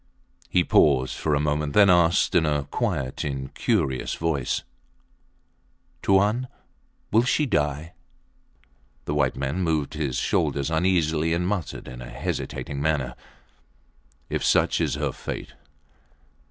He paused for a moment, then asked in a quiet, incurious tone Tuan ... will she die? The white man moved his shoulders uneasily and muttered in a hesitating manner If such is her fate.